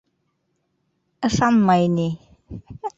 — Ышанмай ни.